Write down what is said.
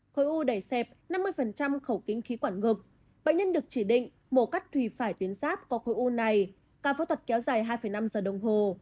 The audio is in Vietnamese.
khối u đẩy xẹp năm mươi khẩu kính khí quản ngực bệnh nhân được chỉ định mổ cắt thủy phải tuyến sáp qua khối u này ca phẫu thuật kéo dài hai năm giờ đồng hồ